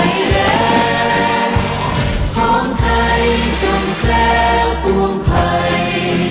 สวัสดีปีใหม่